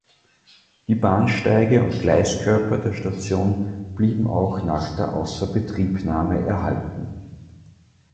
Die Bahnsteige und Gleiskörper der Station blieben auch nach der Außerbetriebnahme erhalten.